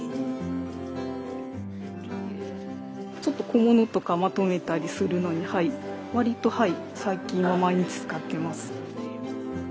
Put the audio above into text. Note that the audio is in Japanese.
ちょっと小物とかまとめたりするのにわりと最近は毎日使ってます。